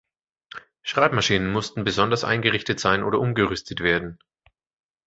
Schreibmaschinen mussten besonders eingerichtet sein oder umgerüstet werden.